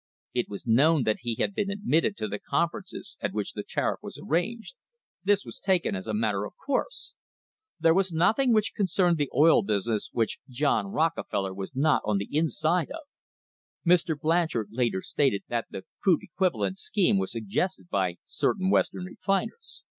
It was known that he had been admitted to the conferences at which the tariff was arranged. This was taken as a matter of course. There was nothing LAYING THE FOUNDATIONS OF A TRUST which concerned the oil business which John Rockefeller was not on the inside of. Mr. Blanchard later stated that the 'crude equivalent" scheme was suggested by certain Western refiners.